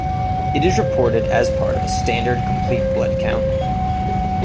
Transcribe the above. It is reported as part of a standard complete blood count.